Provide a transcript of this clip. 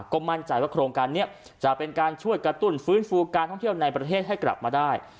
ก็มั่นใจว่าโครงการนี้จะเป็นการช่วยกระตุ้นฟื้นฟูการท่องเที่ยวในประเทศให้กลับมาได้